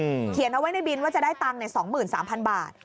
เขียนเอาไว้ในบินว่าจะได้ตังค์ในสองหมื่นสามพันบาท